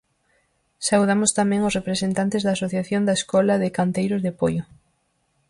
Saudamos tamén os representantes da Asociación da Escola de Canteiros de Poio.